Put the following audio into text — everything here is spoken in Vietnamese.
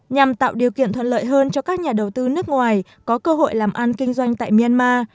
nhằm tạo điều kiện thuận lợi hơn cho các nhà đầu tư nước ngoài có cơ hội làm ăn kinh doanh tại myanmar